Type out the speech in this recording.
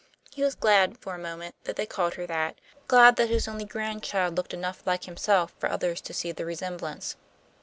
He was glad, for a moment, that they called her that; glad that his only grandchild looked enough like himself for others to see the resemblance.